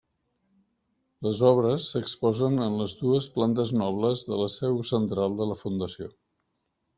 Les obres s'exposen en les dues plantes nobles de la seu central de la Fundació.